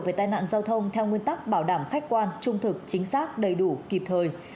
về tai nạn giao thông theo nguyên tắc bảo đảm khách quan trung thực chính xác đầy đủ kịp thời